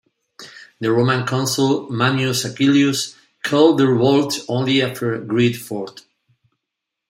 The Roman consul Manius Aquillius quelled the revolt only after great effort.